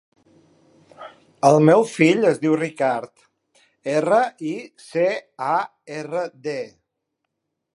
El meu fill es diu Ricard: erra, i, ce, a, erra, de.